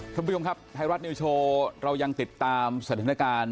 ท่านผู้ชมครับไทยรัฐนิวโชว์เรายังติดตามสถานการณ์